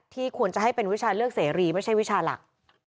ควรจะให้เป็นวิชาเลือกเสรีไม่ใช่วิชาหลัก